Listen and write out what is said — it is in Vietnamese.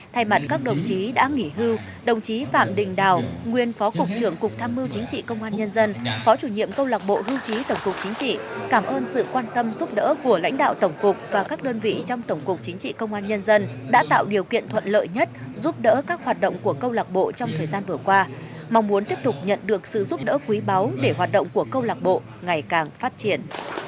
thay mặt các đồng chí đã nghỉ hưu đồng chí phạm đình đào nguyên phó cục trưởng cục tham mưu chính trị công an nhân dân phó chủ nhiệm công lạc bộ hưu trí tổng cục chính trị cảm ơn sự quan tâm giúp đỡ của lãnh đạo tổng cục và các đơn vị trong tổng cục chính trị công an nhân dân đã tạo điều kiện thuận lợi nhất giúp đỡ các hoạt động của công lạc bộ trong thời gian vừa qua mong muốn tiếp tục nhận được sự giúp đỡ quý báu để hoạt động của công lạc bộ ngày càng phát triển